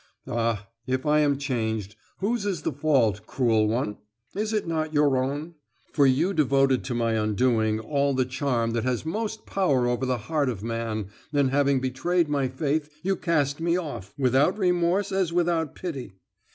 "Ah, if I am changed, whose is the fault, cruel one? Is it not your own? For you devoted to my undoing all the charm that has most power over the heart of man, and having betrayed my faith, you cast me off, without remorse as without pity.